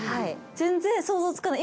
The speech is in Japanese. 全然想像つかない。